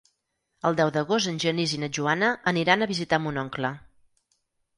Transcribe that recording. El deu d'agost en Genís i na Joana aniran a visitar mon oncle.